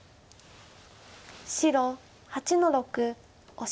白８の六オシ。